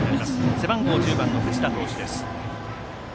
背番号１０番の藤田投手です。